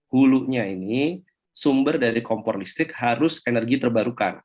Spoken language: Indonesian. hulunya ini sumber dari kompor listrik harus energi terbarukan